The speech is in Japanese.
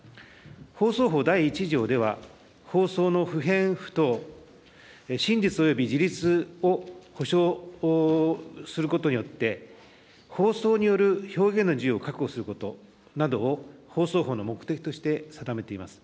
放送法第１条では、放送の不偏不党、真実および自律を保障することによって、放送による表現の自由を確保することなどを放送法の目的として定めています。